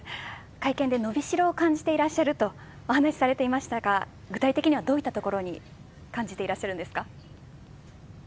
会見で伸びしろを感じていらっしゃるとお話しされていましたが具体的にはどんなところに感じていらっしゃるんですか。